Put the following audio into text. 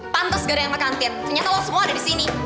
pantes gara gara yang ke kantin ternyata lo semua ada di sini